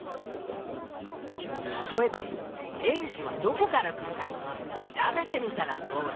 例えば電気はどこから来るか調べてみたらどうだ？